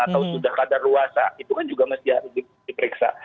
atau sudah kadar luas itu kan juga mesti harus diperiksa